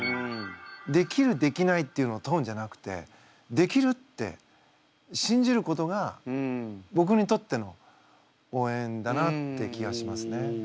できるできないっていうのを問うんじゃなくてできるって信じることがぼくにとっての応援だなって気がしますね。